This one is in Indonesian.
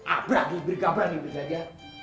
abrah gilgir gabrah ini dia aja